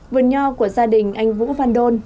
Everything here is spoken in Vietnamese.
vườn nho của gia đình anh vũ văn đôn